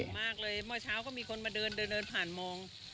มากเลยเมื่อเช้าก็มีคนมาเดินเดินผ่านมอง